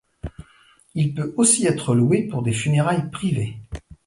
Il peut aussi être loué pour des funérailles privées.